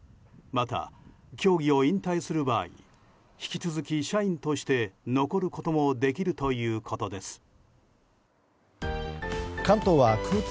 また、競技を引退する場合引き続き社員として残ることもできるということです。